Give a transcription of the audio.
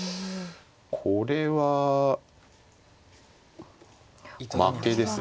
これは負けですね。